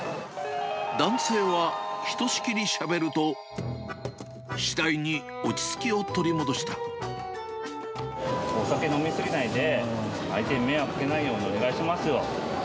男性は、ひとしきりしゃべると、お酒飲み過ぎないで、相手に迷惑かけないようにお願いしますよ。